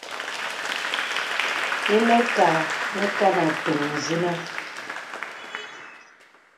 Ìnə kâ nə kan atûŋ sìnə.